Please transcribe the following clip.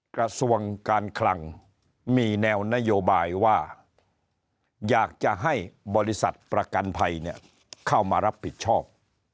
กระทรวงการคลังมีแนวนโยบายว่าอยากจะให้บริษัทประกันภัยเข้ามารับผิดชอบ